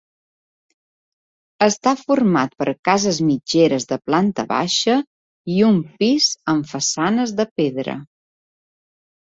Està format per cases mitgeres de planta baixa i un pis amb façanes de pedra.